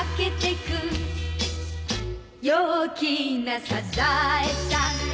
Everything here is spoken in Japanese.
「陽気なサザエさん」